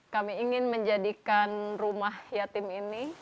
kami ingin menjadikan rumah yatim ini